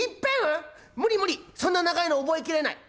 無理無理そんな長いの覚えきれない。